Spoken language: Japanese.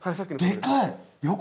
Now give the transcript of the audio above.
でかい！